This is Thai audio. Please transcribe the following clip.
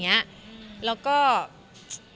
เหมือนเราค่อยอ่ะตอนนี้